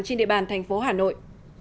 trên địa bàn thành phố hà nội